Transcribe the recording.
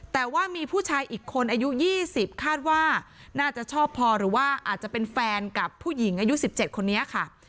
แต่ว่ามีผู้ชายอีกคนอายุ๒๐คาดว่าน่าจะชอบพอหรือว่าอาจจะเป็นแฟนกับผู้หญิงอายุ๑๗คนนี้ค่ะ